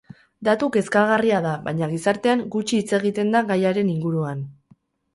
Datu kezkagarria da, baina gizartean gutxi hitz egiten da gaiaren inguruan.